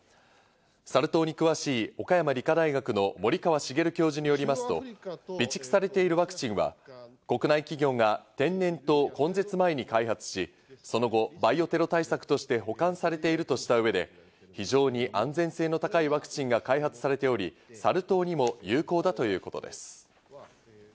サル痘に詳しい岡山理科大学の森川茂教授によりますと、備蓄されているワクチンは国内企業が天然痘根絶前に開発し、その後、バイオテロ対策として保管されているとした上で、非常に安全性の高いワクチンが開発されており、サル痘にも有効だということです。